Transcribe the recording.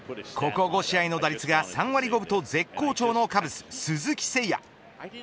ここ５試合で打率が３割５分と絶好調のカブス、鈴木誠也。